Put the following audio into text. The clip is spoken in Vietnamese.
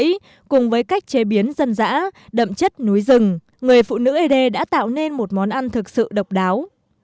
vậy cùng với cách chế biến dân dã đậm chất núi rừng người phụ nữ ế đê đã tạo nên một món ăn thực sự độc đáo